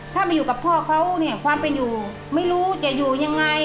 ถ้ามาอยู่กับพ่อเขาเนี่ยความเป็นอยู่ไม่รู้จะอยู่ยังไง